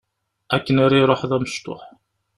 Akken ara iruḥ d amecṭuḥ.